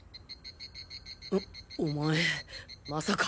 おお前まさか。